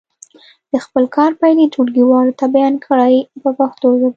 د خپل کار پایلې ټولګیوالو ته بیان کړئ په پښتو ژبه.